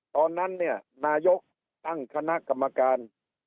ตอนนั้นเนี่ยนายกตั้งคณะกรรมการ